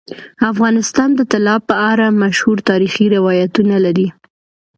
افغانستان د طلا په اړه مشهور تاریخی روایتونه لري.